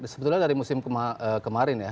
sebetulnya dari musim kemarin ya